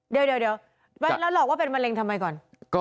เดี๋ยวแล้วหลอกว่าเป็นมะเร็งทำไมก่อน